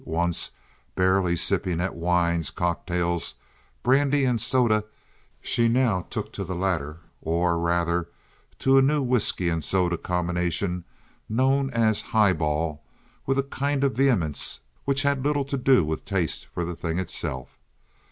Once barely sipping at wines, cocktails, brandy and soda, she now took to the latter, or, rather, to a new whisky and soda combination known as "highball" with a kind of vehemence which had little to do with a taste for the thing itself.